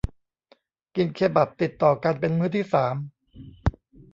กินเคบับติดต่อกันเป็นมื้อที่สาม